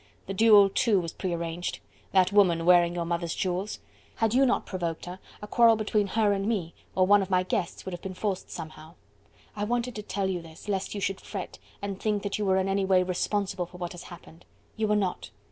The duel, too, was prearranged!... that woman wearing your mother's jewels!... Had you not provoked her, a quarrel between her and me, or one of my guests would have been forced somehow... I wanted to tell you this, lest you should fret, and think that you were in any way responsible for what has happened.... You were not....